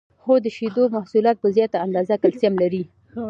هو د شیدو محصولات په زیاته اندازه کلسیم لري